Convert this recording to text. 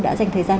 đã dành thời gian